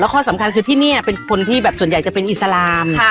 ข้อสำคัญคือที่นี่เป็นคนที่แบบส่วนใหญ่จะเป็นอิสลาม